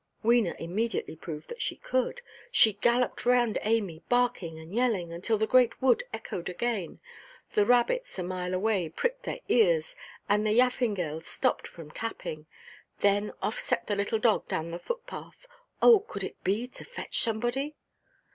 Wena immediately proved that she could. She galloped round Amy, barking and yelling, until the great wood echoed again; the rabbits, a mile away, pricked their ears, and the yaffingales stopped from tapping. Then off set the little dog down the footpath. Oh, could it be to fetch somebody?